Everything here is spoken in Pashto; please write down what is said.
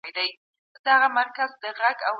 تاسو باید خپلو پوښتنو ته منطقي ځوابونه ومومئ.